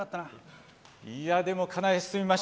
いやでもかなり進みました。